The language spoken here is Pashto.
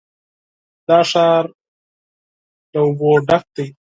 دا ښار له اوبو ډک دی.